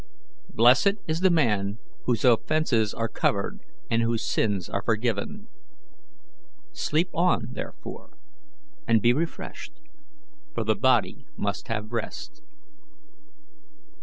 'Blessed is the man whose offences are covered and whose sins are forgiven.' Sleep on, therefore, and be refreshed, for the body must have rest."